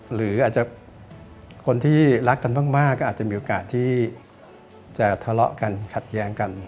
หรืออาจจะคนที่รักกันมากก็อาจจะมีโอกาสที่จะทะเลาะกันขัดแย้งกัน